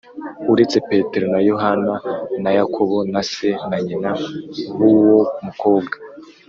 uretse Petero na Yohana na Yakobo na se na nyina b uwo mukobwa